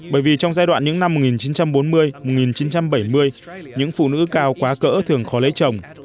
bởi vì trong giai đoạn những năm một nghìn chín trăm bốn mươi một nghìn chín trăm bảy mươi những phụ nữ cao quá cỡ thường khó lấy chồng